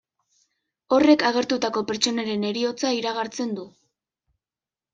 Horrek agertutako pertsonaren heriotza iragartzen du.